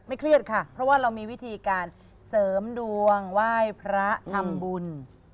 เครียดค่ะเพราะว่าเรามีวิธีการเสริมดวงไหว้พระทำบุญ